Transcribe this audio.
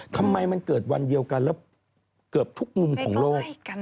ทำไมมันเกิดวันเดียวกันแล้วเกือบทุกมุมของโลก